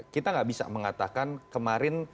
kita nggak bisa mengatakan kemarin